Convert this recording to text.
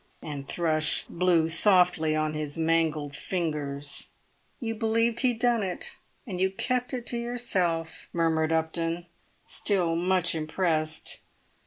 and Thrush blew softly on his mangled fingers. "You believed he'd done it, and you kept it to yourself," murmured Mr. Upton, still much impressed.